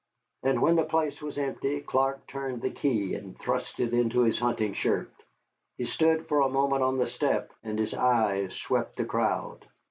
And when the place was empty Clark turned the key and thrust it into his hunting shirt. He stood for a moment on the step, and his eyes swept the crowd.